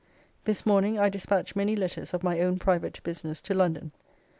This morning I dispatch many letters of my own private business to London.